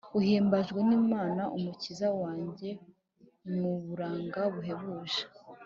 uhimbajwe n’imana umukiza wanjye muburanga buhebuje